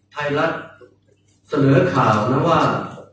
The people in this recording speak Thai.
ไทยรัฐเสนอข่าวนะว่า